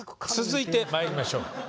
続いてまいりましょう。